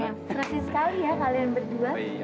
terima kasih sekali ya kalian berdua